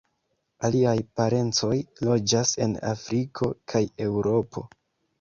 Aliaj parencoj loĝas en Afriko kaj Eŭropo.